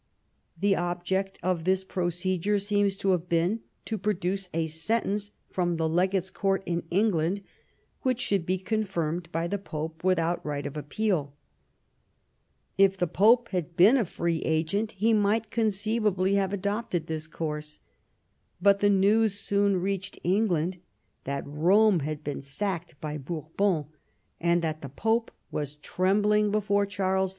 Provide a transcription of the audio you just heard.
The object of this procedure seems to have been to produce a sentence from the legate's court in England which should be confirmed by the Pope without right of appeal If the Pope had been a free agent he might conceivably have adopted this course ; but the news soon reached England that Rome had been sacked by Bourbon, and that the Pope was trembling before Charles V.